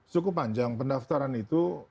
cukup panjang pendaftaran itu